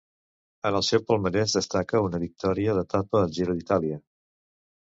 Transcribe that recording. En el seu palmarès destaca una victòria d'etapa al Giro d'Itàlia.